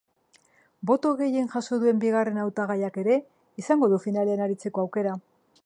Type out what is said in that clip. Boto gehien jaso duen bigarren hautagaiak ere izango du finalean aritzeko aukera.